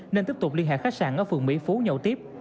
nên tiếp tục liên hệ khách sạn ở phường mỹ phú nhậu tiếp